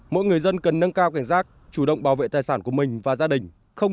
mỗi người dân cần nâng cao cảnh giác chủ động bảo vệ tài sản của mình và gia đình